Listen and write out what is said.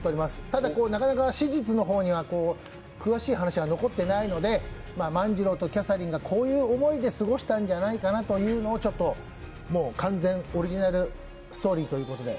ただ、なかなか史実には詳しい話は残っていないので、万次郎とキャサリンがこういう思いで過ごしたんじゃないかなと完全オリジナルストーリーということで。